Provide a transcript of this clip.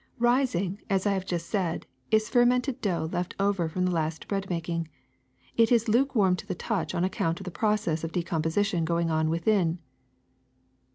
'' Rising, as I have just said, is fermented dough left over from the last bread making. It is luke warm to the touch on account of the process of de composition going on within.